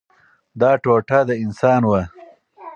دا ټوټه د انسان وه.